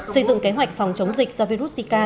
xây dựng kế hoạch phòng chống dịch do virus zika